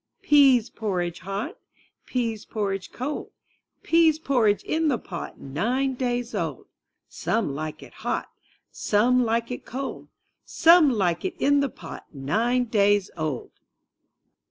pEASE porridge hot, pease porridge cold. Pease porridge in the pot, nine days old. Some like it hot, some like it cold. Some hke it in the pot, nine days old.